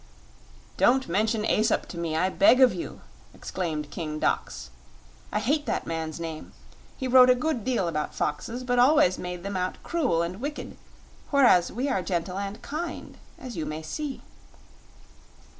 "Don't mention Aesop to me, I beg of you!" exclaimed King Dox. "I hate that man's name. He wrote a good deal about foxes, but always made them out cruel and wicked, whereas we are gentle and kind, as you may see."